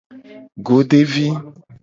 Godevi.